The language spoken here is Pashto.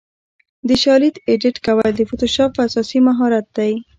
د شالید ایډیټ کول د فوټوشاپ اساسي مهارت دی.